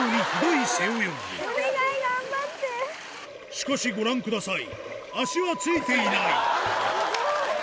しかしご覧ください